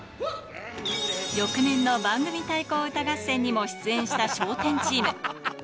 翌年の番組対抗歌合戦にも出演した笑点チーム。